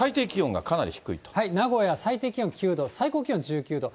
名古屋、最低気温９度、最高気温１９度。